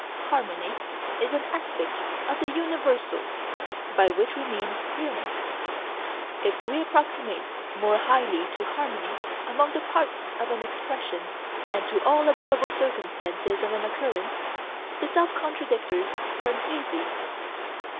Harmony is an aspect of the Universal, by which we mean Realness. If we approximate more highly to harmony among the parts of an expression and to all available circumstances of an occurrence, the self contradictors turn hazy.